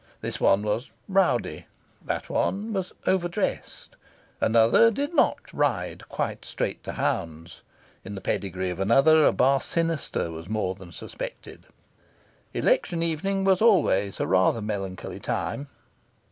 This one was "rowdy"; that one was over dressed; another did not ride quite straight to hounds; in the pedigree of another a bar sinister was more than suspected. Election evening was always a rather melancholy time.